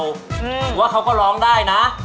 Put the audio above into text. หรือว่าเขาก็ร้องได้นะ